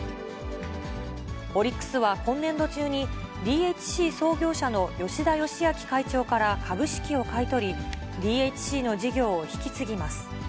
オリックスは今年度中に、ＤＨＣ創業者の吉田嘉明会長から株式を買い取り、ＤＨＣの事業を引き継ぎます。